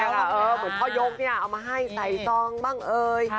เหมือนพ่อยกเนี่ยเอามาให้ใส่ซองบ้างเอ่ย